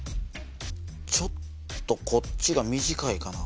ちょっとこっちが短いかな。